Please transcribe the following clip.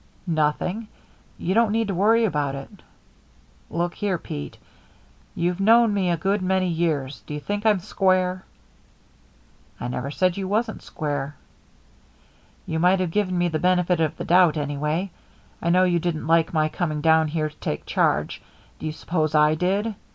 "Nothing. You don't need to worry about it." "Look here, Pete. You've known me a good many years. Do you think I'm square?" "I never said you wasn't square." "You might have given me the benefit of the doubt, anyway. I know you didn't like my coming down here to take charge. Do you suppose I did?